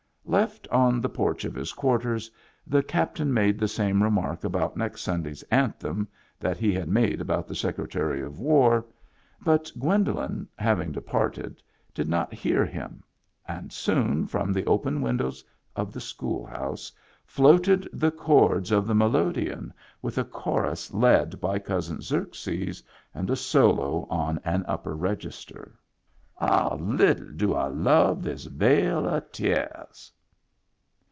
Left on the porch of his quarters, the captain made the same remark about next Sunday's anthem that he had made about the Secretary of War; but Gwendolen, having departed, did not hear him, and soon from the open windows of the school house floated the chords of the melodeon Digitized by Google io6 MEMBERS OF THE FAMILY with a chorus led by Cousin Xerxes, and a solo on an upper register, How little do I love this vale of teahs.